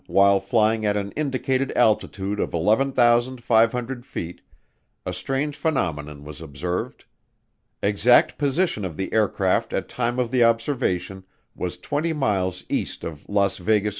while flying at an indicated altitude of 11,500 feet, a strange phenomenon was observed. Exact position of the aircraft at time of the observation was 20 miles east of the Las Vegas, N.